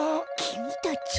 きみたち。